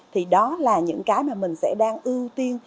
thì đó là những cái mà mình sẽ đang ưu tiên